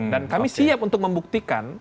dan kami siap untuk membuktikan